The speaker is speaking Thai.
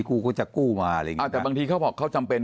กูก็จะกู้มาอะไรอย่างง่าแต่บางทีเขาบอกเขาจำเป็น